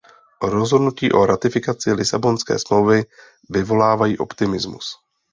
Rozhodnutí o ratifikaci Lisabonské smlouvy vyvolávají optimismus.